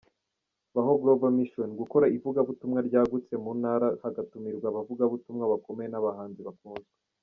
Baho Global Mission: Gukora ivugabutumwa ryagutse mu ntara hagatumirwa abavugabutumwa bakomeye n'abahanzi bakunzwe.